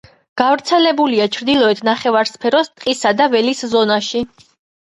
გავრცელებულია ჩრდილოეთ ნახევარსფეროს ტყისა და ველის ზონაში.